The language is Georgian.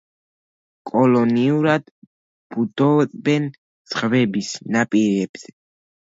კოლონიურად ბუდობენ ზღვების ნაპირებზე.